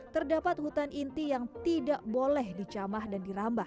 terdapat hutan inti yang tidak boleh dicamah dan dirambah